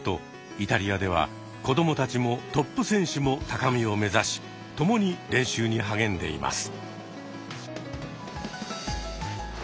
イタリアでは子どもたちもトップ選手も高みをめざし共に練習に励んでいます。